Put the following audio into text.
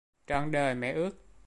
Trọn đời mẹ ước